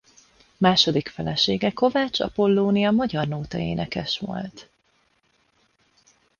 Második felesége Kovács Apollónia magyarnóta-énekes volt.